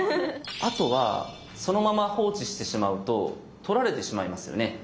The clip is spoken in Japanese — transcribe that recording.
あとはそのまま放置してしまうと取られてしまいますよね。